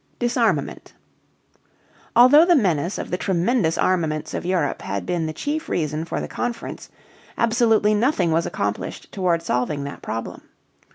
DISARMAMENT. Although the menace of the tremendous armaments of Europe had been the chief reason for the conference, absolutely nothing was accomplished toward solving that problem.